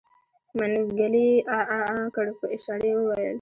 منګلي عاعاعا کړ په اشاره يې وويل.